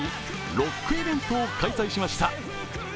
ロックイベントを開催しました。